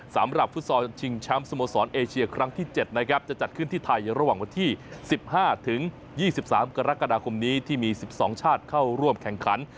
สำหรับฟุตซอลชิงแชมป์สโมสรเอเชียครั้งที่๗นะครับจะจัดขึ้นที่ไทยระหว่างวันที่๑๕๒๓กรกฎาคมนี้ที่มี๑๒ชาติเข้าร่วมแข่งขัน